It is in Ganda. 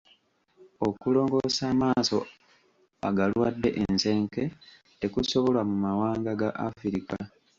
Okulongoosa amaaso agalwadde ensenke tekusobolwa mu mawanga ga Afirika.